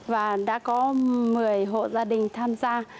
và đã có một mươi hộ gia đình tham gia